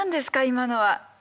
今のは。